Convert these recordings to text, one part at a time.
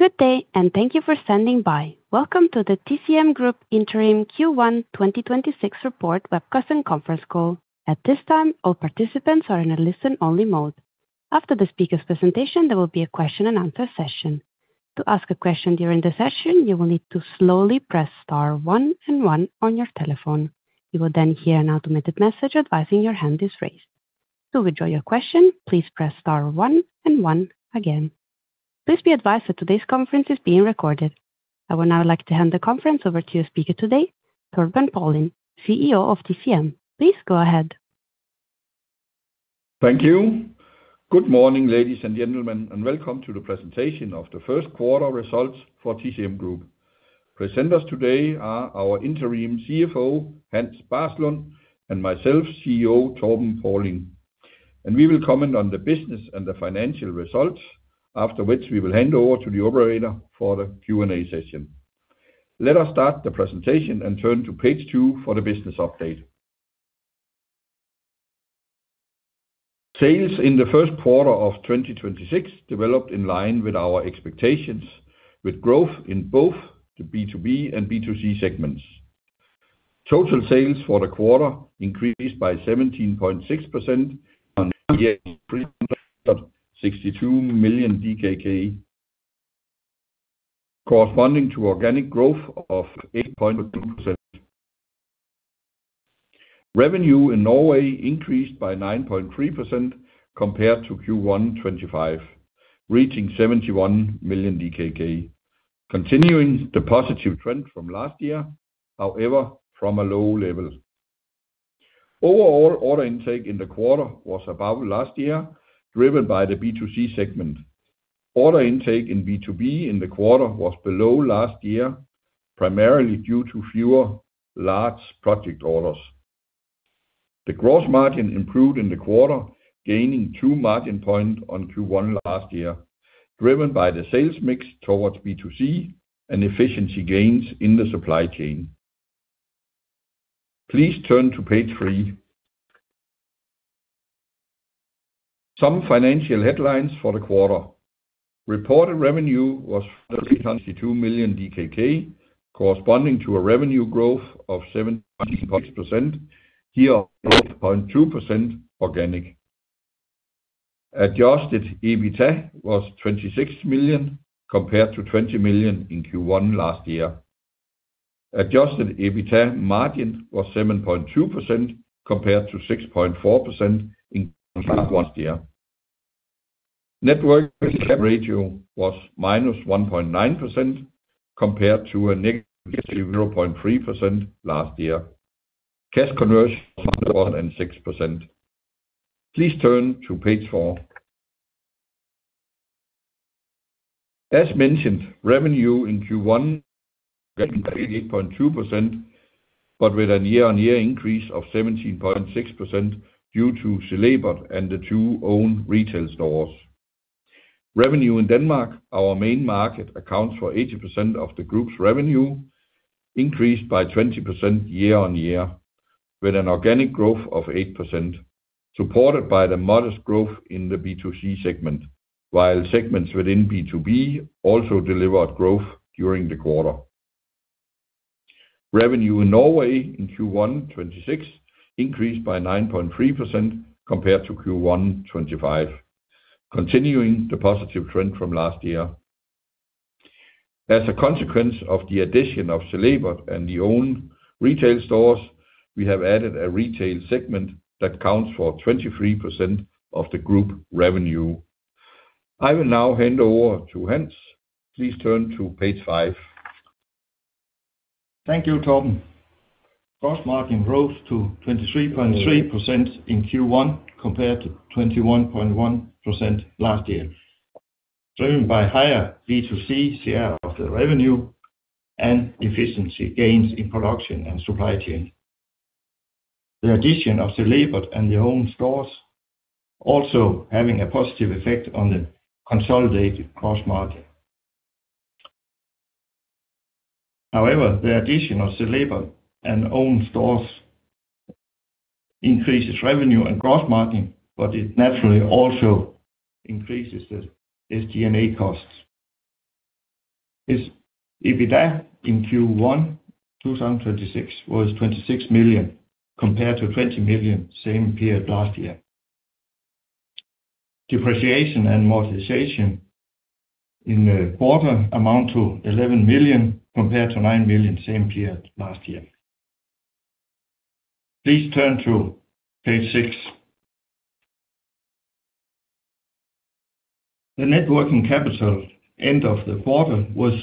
Good day, and thank you for standing by. Welcome to the TCM Group Interim Q1 2026 Report Webcast and Conference Call. At this time, all participants are in a listen-only mode. I would now like to hand the conference over to your speaker today, Torben Paulin, CEO of TCM. Please go ahead. Thank you. Good morning, ladies and gentlemen, and welcome to the presentation of the first quarter results for TCM Group. Presenters today are our interim CFO, Hans Barslund, and myself, CEO Torben Paulin. We will comment on the business and the financial results, after which we will hand over to the operator for the Q&A session. Let us start the presentation and turn to page two for the business update. Sales in the first quarter of 2026 developed in line with our expectations, with growth in both the B2B and B2C segments. Total sales for the quarter increased by 17.6% on year to DKK 362 million, corresponding to organic growth of 8.2%. Revenue in Norway increased by 9.3% compared to Q1 2025, reaching 71 million DKK. Continuing the positive trend from last year, however, from a low level. Overall order intake in the quarter was above last year, driven by the B2C segment. Order intake in B2B in the quarter was below last year, primarily due to fewer large project orders. The gross margin improved in the quarter, gaining 2 margin points on Q1 last year, driven by the sales mix towards B2C and efficiency gains in the supply chain. Please turn to page three. Some financial headlines for the quarter. Reported revenue was 322 million DKK, corresponding to a revenue growth of 17.6%, year-over-year growth 0.2% organic. Adjusted EBITA was 26 million, compared to 20 million in Q1 last year. Adjusted EBITA margin was 7.2%, compared to 6.4% in Q1 last year. Net working capital ratio was -1.9%, compared to a -0.3% last year. Cash conversion 106%. Please turn to page four. As mentioned, revenue in Q1 8.2%, with a year-on-year increase of 17.6% due to Celebert and the two own retail stores. Revenue in Denmark, our main market, accounts for 80% of the group's revenue, increased by 20% year-on-year, with an organic growth of 8%, supported by the modest growth in the B2C segment, while segments within B2B also delivered growth during the quarter. Revenue in Norway in Q1 2026 increased by 9.3% compared to Q1 2025, continuing the positive trend from last year. As a consequence of the addition of Celebert and the own retail stores, we have added a retail segment that accounts for 23% of the group revenue. I will now hand over to Hans. Please turn to page five. Thank you, Torben. Gross margin growth to 23.3% in Q1 compared to 21.1% last year, driven by higher B2C share of the revenue and efficiency gains in production and supply chain. The addition of Celebert and the own stores also having a positive effect on the consolidated gross margin. The addition of Celebert and own stores increases revenue and gross margin, but it naturally also increases the SG&A costs. Its EBITA in Q1 2026 was 26 million compared to 20 million same period last year. Depreciation and amortization in the quarter amount to 11 million compared to 9 million same period last year. Please turn to page six. The net working capital end of the quarter was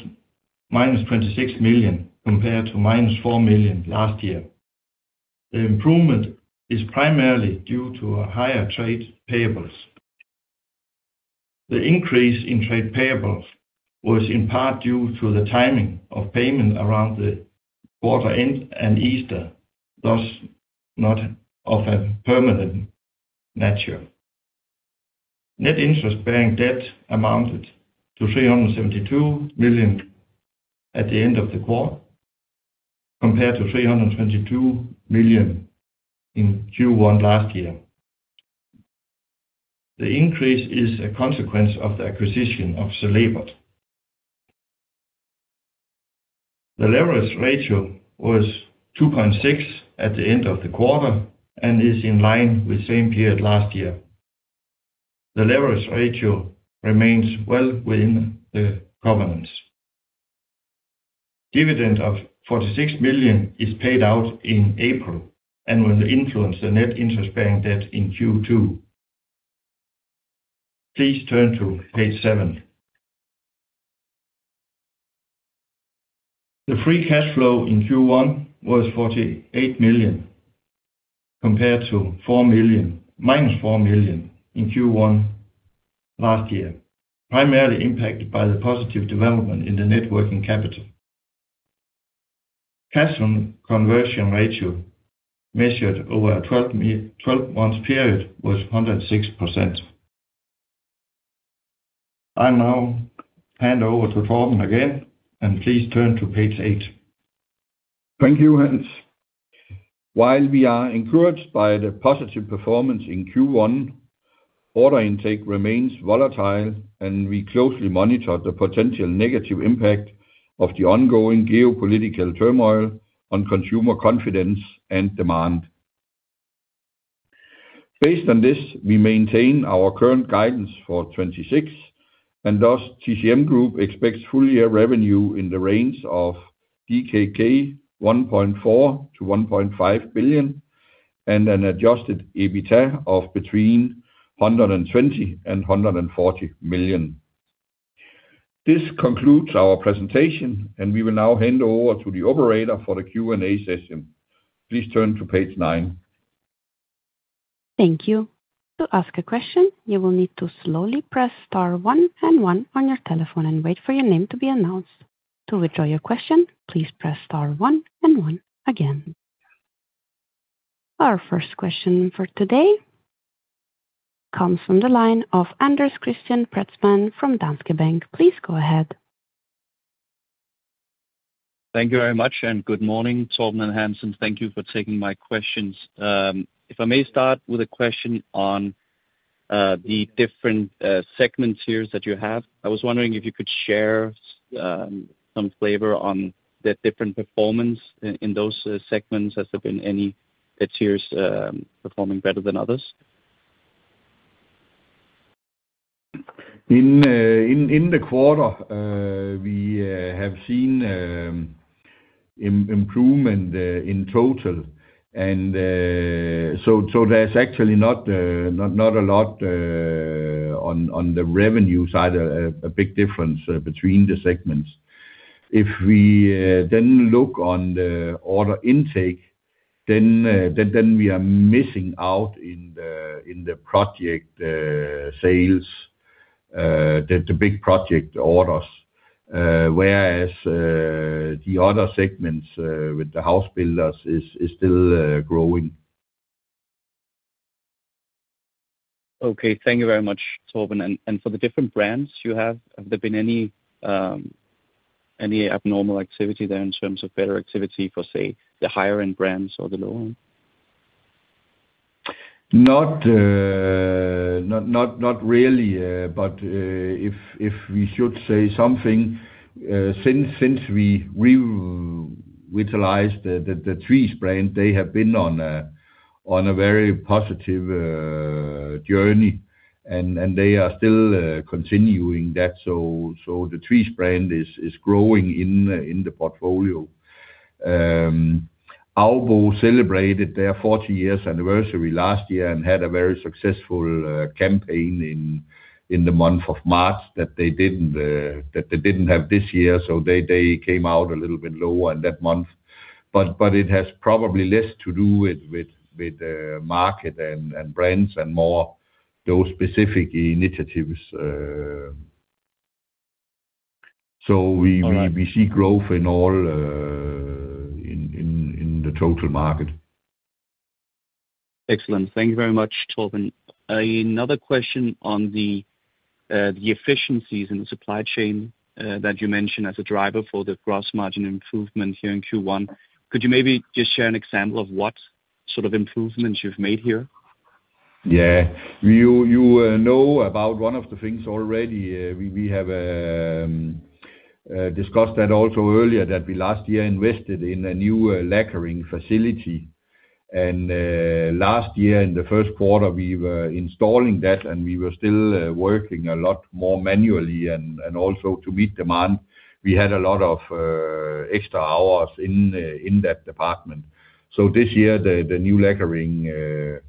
-26 million, compared to -4 million last year. The improvement is primarily due to higher trade payables. The increase in trade payables was in part due to the timing of payment around the quarter end and Easter, thus not of a permanent nature. Net interest-bearing debt amounted to 372 million at the end of the quarter compared to 322 million in Q1 last year. The increase is a consequence of the acquisition of Celebert. The leverage ratio was 2.6 at the end of the quarter and is in line with same period last year. The leverage ratio remains well within the covenants. Dividend of 46 million is paid out in April and will influence the net interest-bearing debt in Q2. Please turn to page seven. The free cash flow in Q1 was 48 million compared to -4 million in Q1 last year, primarily impacted by the positive development in the net working capital. Cash conversion ratio measured over a 12 months period was 106%. I'll now hand over to Torben again, and please turn to page eight. Thank you, Hans. While we are encouraged by the positive performance in Q1, order intake remains volatile and we closely monitor the potential negative impact of the ongoing geopolitical turmoil on consumer confidence and demand. Based on this, we maintain our current guidance for 2026, and thus TCM Group expects full year revenue in the range of 1.4 billion-1.5 billion DKK and an adjusted EBITA of between 120 million and 140 million. This concludes our presentation, and we will now hand over to the operator for the Q&A session. Please turn to page nine. Thank you. To ask a question, you will need to slowly press star one and one on your telephone and wait for your name to be announced. To withdraw your question, please press star one and one again. Our first question for today comes from the line of Anders-Christian Preetzmann from Danske Bank. Please go ahead. Thank you very much and good morning, Torben and Hans, and thank you for taking my questions. If I may start with a question on the different segments here that you have. I was wondering if you could share some flavor on the different performance in those segments. Has there been any that here is performing better than others? In the quarter, we have seen improvement in total. There's actually not a lot on the revenue side, a big difference between the segments. If we then look on the order intake, we are missing out in the project sales, the big project orders. The other segments with the house builders is still growing. Okay. Thank you very much, Torben. For the different brands you have there been any abnormal activity there in terms of better activity for, say, the higher-end brands or the lower-end? Not really. If we should say something, since we revitalized the Tvis brand, they have been on a very positive journey, and they are still continuing that. The Tvis brand is growing in the portfolio. AUBO celebrated their 40 years anniversary last year and had a very successful campaign in the month of March that they didn't have this year, they came out a little bit lower in that month. It has probably less to do with the market and brands and more those specific initiatives. We- All right. see growth in the total market. Excellent. Thank you very much, Torben. Another question on the efficiencies in the supply chain that you mentioned as a driver for the gross margin improvement here in Q1. Could you maybe just share an example of what sort of improvements you've made here? Yeah. You know about one of the things already. We have discussed that also earlier that we last year invested in a new lacquering facility. Last year in the first quarter, we were installing that, and we were still working a lot more manually and also to meet demand. We had a lot of extra hours in that department. This year, the new lacquering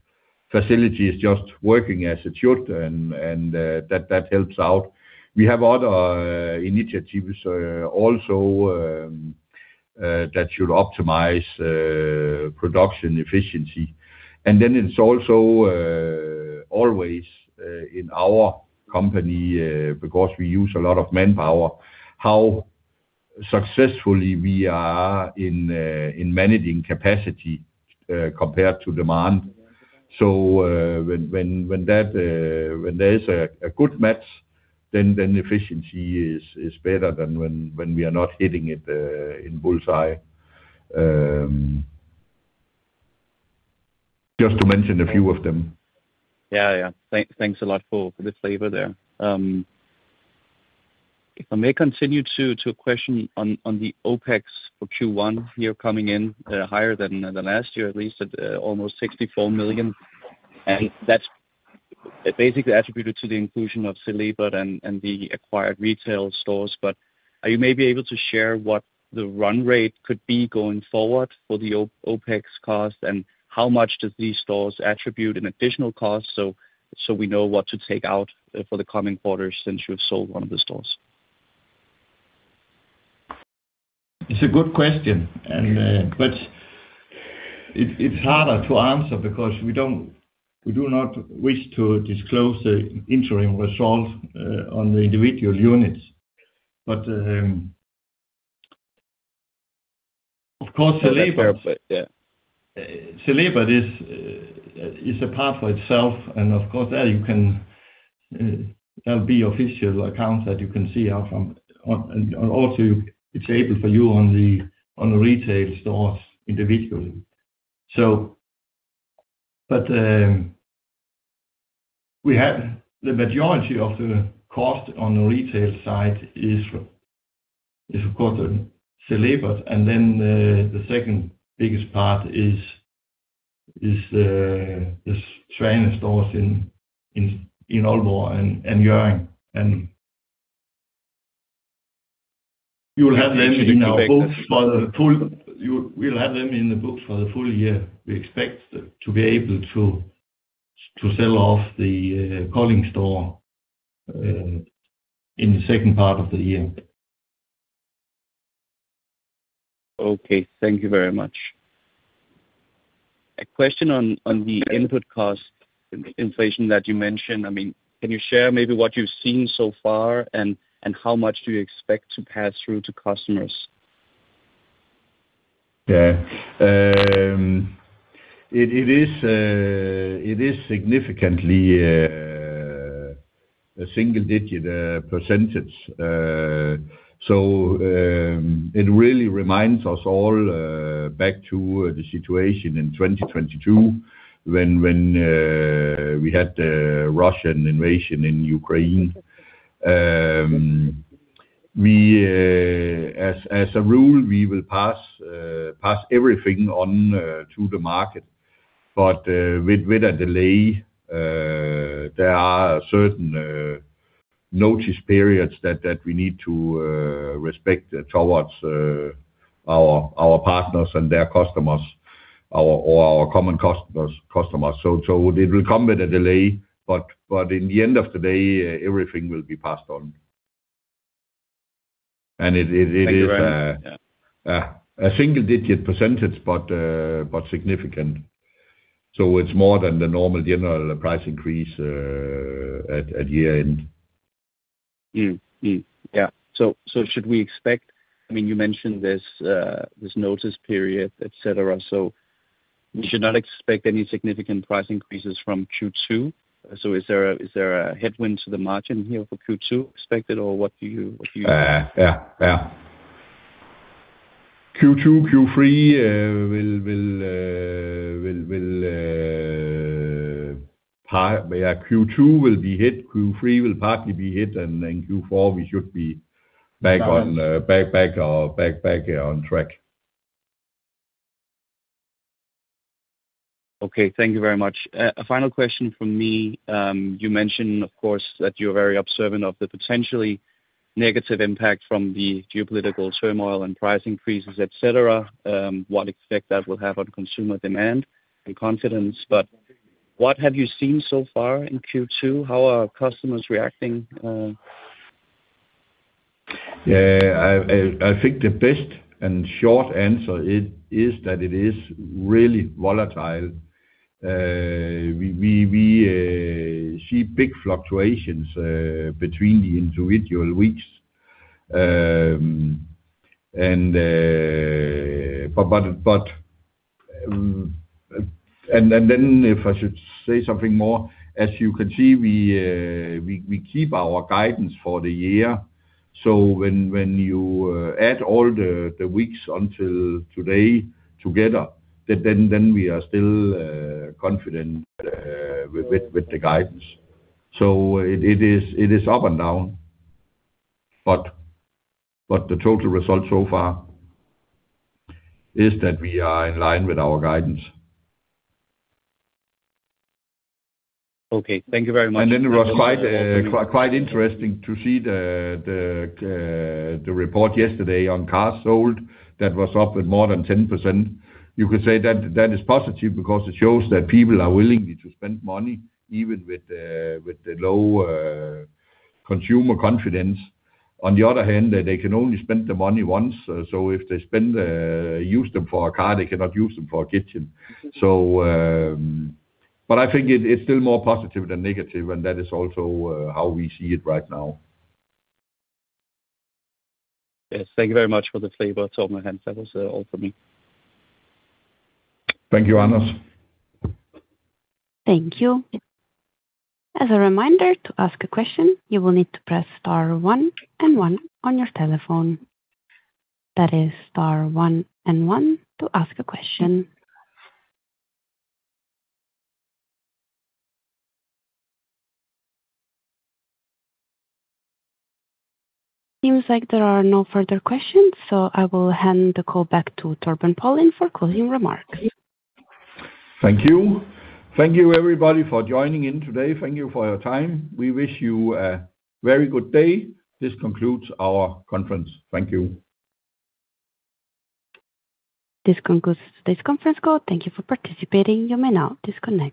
facility is just working as it should, and that helps out. We have other initiatives also that should optimize production efficiency. Then it's also always in our company, because we use a lot of manpower, how successfully we are in managing capacity compared to demand. When there is a good match, then efficiency is better than when we are not hitting it in bullseye. Just to mention a few of them. Yeah. Thanks a lot for the flavor there. If I may continue to a question on the OpEx for Q1 here coming in higher than the last year, at least at almost 64 million. That's basically attributed to the inclusion of Celebert and the acquired retail stores. Are you maybe able to share what the run rate could be going forward for the OpEx cost, and how much do these stores attribute an additional cost, so we know what to take out for the coming quarters since you've sold one of the stores? It's a good question. It's harder to answer because we do not wish to disclose the interim result on the individual units. Of course, Celebert. That's fair. Yeah. Celebert is a path for itself, and of course, there'll be official accounts that you can see out from. Also, it's able for you on the retail stores individually. The majority of the cost on the retail side is, of course, Celebert, and then the second biggest part is the Tvis stores in Aalborg and Hjørring, and we'll have them in our books for the full year. We expect to be able to sell off the Kolding store in the second part of the year. Okay. Thank you very much. A question on the input cost inflation that you mentioned. Can you share maybe what you've seen so far, and how much do you expect to pass through to customers? Yeah. It is significantly a single-digit percentage. It really reminds us all back to the situation in 2022 when we had the Russian invasion in Ukraine. As a rule, we will pass everything on to the market, but with a delay. There are certain notice periods that we need to respect towards our partners and their customers or our common customers. It will come with a delay, but in the end of the day, everything will be passed on. Thank you very much. Yeah a single-digit percentage, but significant. It's more than the normal general price increase at year-end. Yeah. Should we expect, you mentioned this notice period, et cetera, so we should not expect any significant price increases from Q2? Is there a headwind to the margin here for Q2 expected, or what do you expect? Yeah. Q2 will be hit, Q3 will partly be hit, then Q4, we should be back on track. Okay. Thank you very much. A final question from me. You mentioned, of course, that you're very observant of the potentially negative impact from the geopolitical turmoil and price increases, et cetera, what effect that will have on consumer demand and confidence. What have you seen so far in Q2? How are customers reacting? Yeah. I think the best and short answer is that it is really volatile. We see big fluctuations between the individual weeks. If I should say something more, as you can see, we keep our guidance for the year. When you add all the weeks until today together, then we are still confident with the guidance. It is up and down, but the total result so far is that we are in line with our guidance. Okay. Thank you very much. Then it was quite interesting to see the report yesterday on cars sold that was up with more than 10%. You could say that is positive because it shows that people are willing to spend money, even with the low consumer confidence. On the other hand, they can only spend the money once, so if they use them for a car, they cannot use them for a kitchen. I think it's still more positive than negative, and that is also how we see it right now. Yes. Thank you very much for the favor, Torben. That was all for me. Thank you, Anders. Thank you. As a reminder, to ask a question, you will need to press star one and one on your telephone. That is star one and one to ask a question. Seems like there are no further questions, I will hand the call back to Torben Paulin for closing remarks. Thank you. Thank you everybody for joining in today. Thank you for your time. We wish you a very good day. This concludes our conference. Thank you. This concludes this conference call. Thank you for participating. You may now disconnect.